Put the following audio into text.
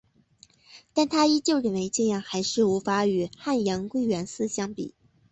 但她依旧认为这样还是无法与汉阳归元寺相比。